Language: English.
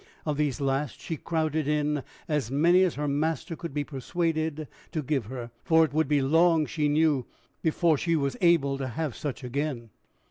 Of these last she crowded in as many as her master could be persuaded to give her for it would be long, she knew, before she was able to have such again.